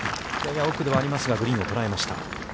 やや奥ではありますが、グリーンを捉えました。